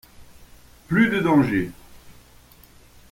Plus de dangers.